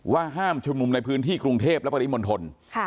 ว่าห้ามชุมนุมในพื้นที่กรุงเทพและปริมณฑล